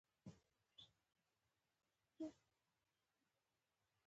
د دې برخې په پای کې محصلین به وکولی شي.